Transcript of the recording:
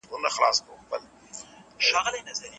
په هره خبره کي چي د الله تعالی نوم وي، سپکاوی ئې کفر دی.